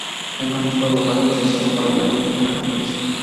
El campus fue evacuado y utilizado por la Marina de guerra japonesa.